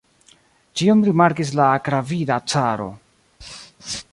Ĉion rimarkis la akravida caro!